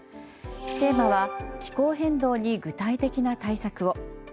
テーマは「気候変動に具体的な対策を」。